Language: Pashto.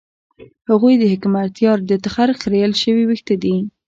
هغوی د حکمتیار د تخرګ خرېیل شوي وېښته دي.